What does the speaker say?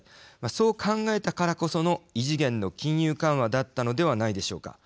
そう考えたからこその異次元の金融緩和だったのではないでしょうか。